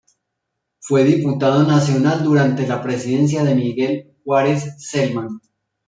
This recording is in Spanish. Fue diputado nacional durante la presidencia de Miguel Juárez Celman.